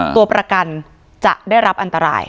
ตัวประกันจะได้รับอันตราย